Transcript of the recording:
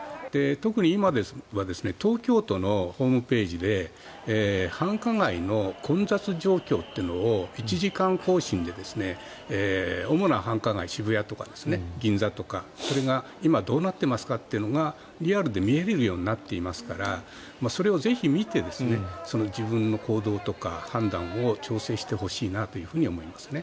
特に今、東京都のホームページで繁華街の混雑状況というのを１時間更新で主な繁華街、渋谷とか銀座とかそれが今どうなってますかっていうのがリアルで見られるようになっていますからそれをぜひ見て、自分の行動とか判断を調整してほしいなと思いますね。